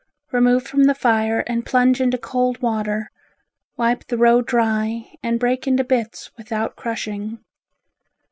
Remove from the fire and plunge into cold water, wipe the roe dry and break into bits without crushing.